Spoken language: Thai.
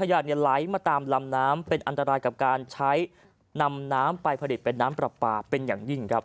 ขยะไหลมาตามลำน้ำเป็นอันตรายกับการใช้นำน้ำไปผลิตเป็นน้ำปลาปลาเป็นอย่างยิ่งครับ